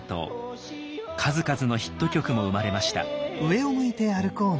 数々のヒット曲も生まれました。